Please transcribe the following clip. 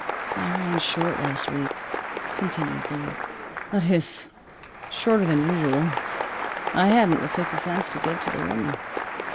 "I ran short last week," continued Louie. "That is, shorter than usual. I hadn't the fifty cents to give to the woman.